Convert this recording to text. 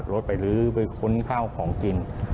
รถไปลื้อไปค้นข้าวของกิน